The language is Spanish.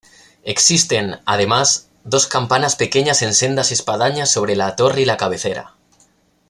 Existen, además, dos campanas pequeñas en sendas espadañas sobre la torre y la cabecera.